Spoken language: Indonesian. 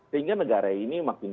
sehingga negara ini makin